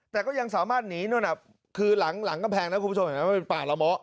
แต่ก็ยังสามารถหนีนู่นนะคือหลังกระแพงนะคุณผู้ชม